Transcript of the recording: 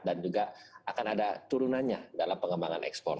dan juga akan ada turunannya dalam pengembangan ekspor